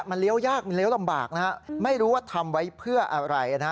มันเลี้ยวยากมันเลี้ยวลำบากนะฮะไม่รู้ว่าทำไว้เพื่ออะไรนะฮะ